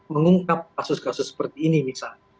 mengungkap kasus kasus seperti ini misalnya